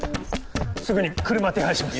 すぐに車手配します。